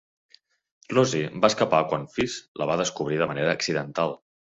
Rosie va escapar quan Fiz la va descobrir de manera accidental.